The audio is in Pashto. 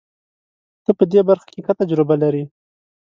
ته په دې برخه کې ښه تجربه لرې.